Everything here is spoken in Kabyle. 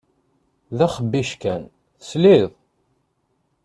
D axebbic kan, tesliḍ?